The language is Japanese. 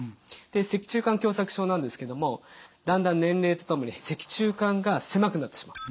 で脊柱管狭窄症なんですけどもだんだん年齢とともに脊柱管が狭くなってしまう。